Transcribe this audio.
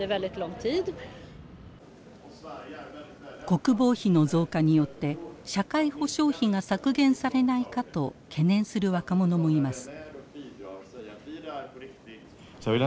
国防費の増加によって社会保障費が削減されないかと懸念する若者もいます。